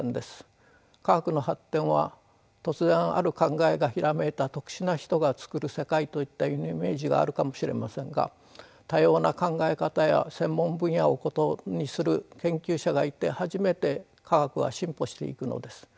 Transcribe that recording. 科学の発展は突然ある考えがひらめいた特殊な人が作る世界といったイメージがあるかもしれませんが多様な考え方や専門分野を異にする研究者がいて初めて科学は進歩していくのです。